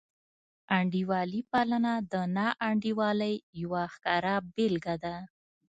انډیوالي پالنه د ناانډولۍ یوه ښکاره بېلګه ده.